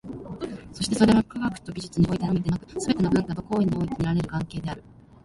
そしてそれは、科学と技術においてのみでなく、すべての文化と行為において見られる関係である。